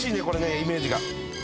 これねイメージが。